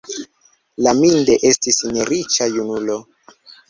Laminde estis neriĉa junulo.